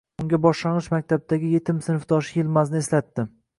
unga boshlang'ich maktabdagi yetim sinfdoshi Yilmazni eslatdi.